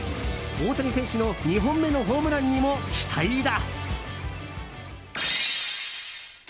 大谷選手の２本目のホームランにも期待だ。